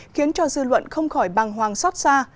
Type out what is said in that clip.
khiến cho dư luận không khỏi bàng hoàng xót xa